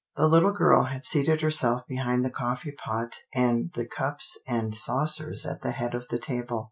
The little girl had seated herself behind the cof fee pot and the cups and saucers at the head of the table.